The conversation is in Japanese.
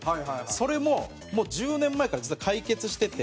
それも、１０年前から実は解決してて。